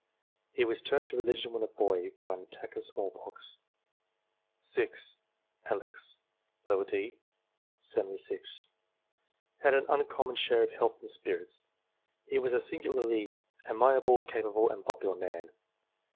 He was turned to religion when a boy, by an attack of small pox. 6. Alix, d. aet. 76 ; had an uncommon share of health and spirits ; he was a singularly amiable, capable, and popular man.